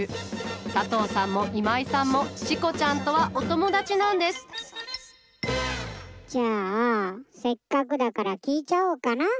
佐藤さんも今井さんもチコちゃんとはお友達なんですじゃあせっかくだから聞いちゃおうかな。